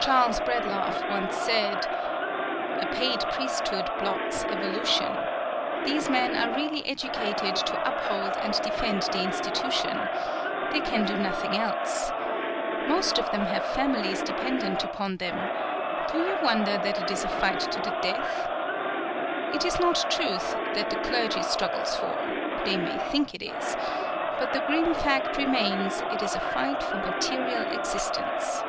Charles Bradlaugh once said: "A paid priesthood blocks evolution. These men are really educated to uphold and defend the institution. They can do nothing else. Most of them have families dependent upon them do you wonder that it is a fight to the death? It is not truth that the clergy struggles for they may think it is but the grim fact remains, it is a fight for material existence."